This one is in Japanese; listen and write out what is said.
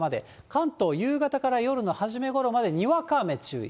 関東、夕方から夜の初めごろまでにわか雨注意。